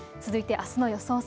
続いて、あすの予想